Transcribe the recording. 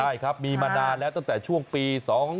ใช่ครับมีมานานแล้วตั้งแต่ช่วงปี๒๕๖